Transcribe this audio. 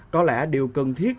có lẽ điều cần thiết